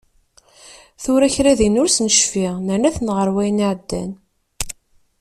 Tura kra din ur s-necfi, nerna-ten ɣer wayen iɛeddan.